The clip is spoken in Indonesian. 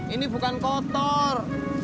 ini bukan kotor